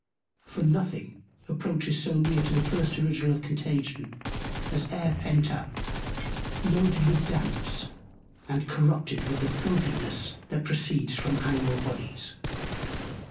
For nothing approaches so near to the first Original of Contagion, as Air pent up, loaded with Damps, and corrupted with the Filthiness, that proceeds from Animal Bodies.